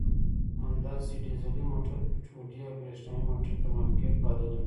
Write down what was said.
همداسې ډیزلي موټر پټرولي او برېښنایي موټر ته مارکېټ بایللی.